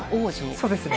そうですね。